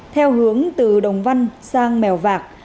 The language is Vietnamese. theo hướng từ đồng văn sang mèo vạc